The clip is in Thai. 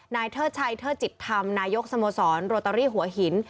นายเทอร์ชัยเทอร์จิตธรรมนายกสโมสรโรตารี่หัวหิน